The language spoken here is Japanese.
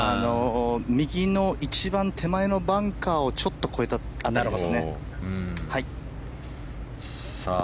右の一番手前のバンカーをちょっと越えた辺りです。